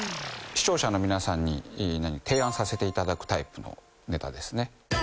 視聴者のみなさんに提案させていただくタイプのネタですね